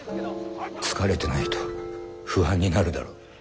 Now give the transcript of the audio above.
疲れてないと不安になるだろ。